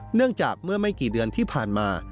เนื่องจากเมื่อไม่กี่เดือนที่ผ่านมา